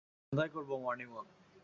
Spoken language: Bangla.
সন্ধ্যায় করবো মর্নিং- ওয়াক।